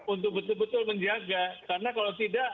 untuk betul betul menjaga karena kalau tidak